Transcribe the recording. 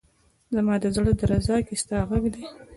زما ده زړه درزا کي ستا غږ دی